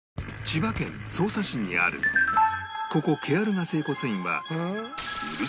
千葉県匝瑳市にあるここケアるが整骨院は